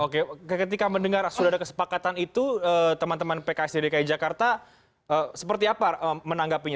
oke ketika mendengar sudah ada kesepakatan itu teman teman pks di dki jakarta seperti apa menanggapinya